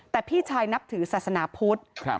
แต่พี่ชายนับถือศาสนาพุทธ